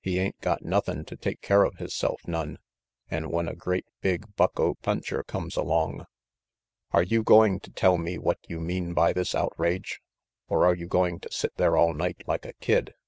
"He ain't got nothin' to take care of hisself none, an' when a great big bucko puncher comes along "Are you going to tell me what you mean by this outrage, or are you going to sit there all night like a kid?"